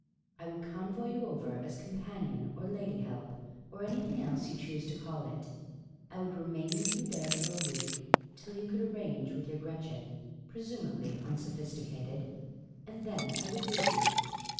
I would convoy you over, as companion, or lady help, or anything else you choose to call it ; I would remain with you there for a week, till you could arrange with your Gretchen, presumably un.sophisticated ; and then I would leave you.